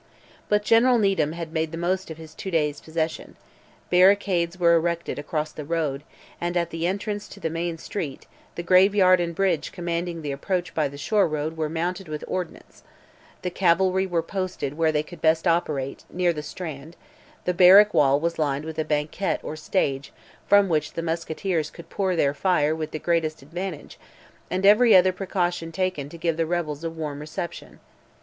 But General Needham had made the most of his two days' possession; barricades were erected across the road, and at the entrance to the main street; the graveyard and bridge commanding the approach by the shore road were mounted with ordnance; the cavalry were posted where they could best operate, near the strand; the barrack wall was lined with a banquette or stage, from which the musketeers could pour their fire with the greatest advantage, and every other precaution taken to give the rebels a warm reception.